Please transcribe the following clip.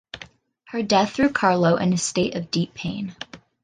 Her death threw Carlo in a state of deep pain.